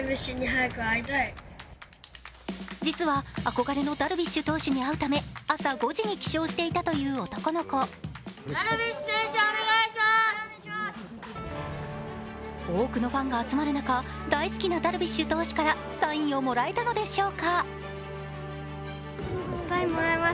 実は、憧れのダルビッシュ投手に会うため朝５時に起床していたという男の子多くのファンが集まる中、大好きなダルビッシュ投手からサインをもらえたのでしょうか。